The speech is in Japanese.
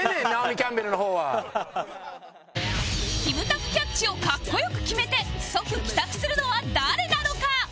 キムタクキャッチをかっこよく決めて即帰宅するのは誰なのか？